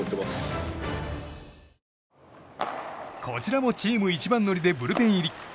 こちらもチーム一番乗りでブルペン入り。